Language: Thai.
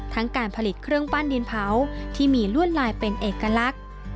การผลิตเครื่องปั้นดินเผาที่มีลวดลายเป็นเอกลักษณ์